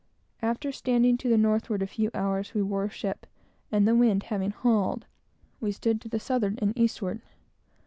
After standing to the northward a few hours, we wore ship, and the wind having hauled, we stood to the southward and eastward.